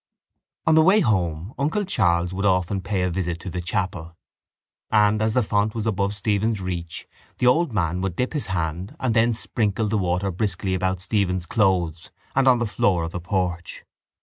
On the way home uncle Charles would often pay a visit to the chapel and, as the font was above Stephen's reach, the old man would dip his hand and then sprinkle the water briskly about Stephen's clothes and on the floor of the porch.